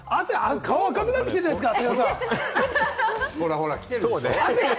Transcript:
顔、赤くなってきているじゃないですか！